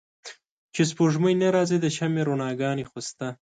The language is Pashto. چې سپوږمۍ نه را ځي د شمعو رڼاګا نې خوشته